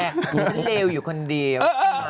ฉันเลวอยู่คนเดียว